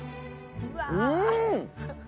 うん！